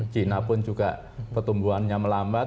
cina pun juga pertumbuhannya melambat